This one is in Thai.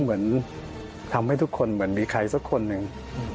เหมือนทำให้ทุกคนเหมือนมีใครสักคนหนึ่ง